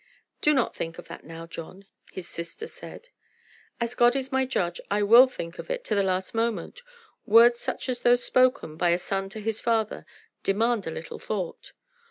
"Do not think of that now, John," his sister said. "As God is my judge, I will think of it to the last moment. Words such as those spoken, by a son to his father, demand a little thought.